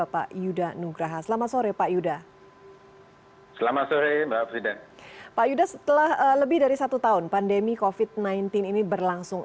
pak yuda setelah lebih dari satu tahun pandemi covid sembilan belas ini berlangsung